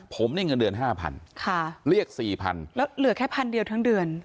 ผมได้เงินเดือนห้าพันค่ะเรียกสี่พันแล้วเหลือแค่พันเดียวทั้งเดือน